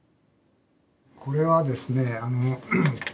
これはですね